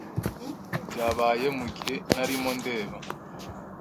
Byabaye mugihe ntarimo ndeba.